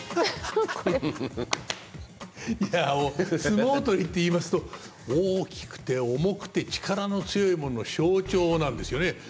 いや相撲取りっていいますと大きくて重くて力の強いものの象徴なんですよね。